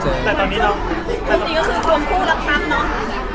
จริงก็คือตรงคู่ละครั้งเนอะ